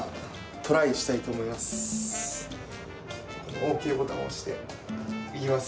ＯＫボタンを押していきます。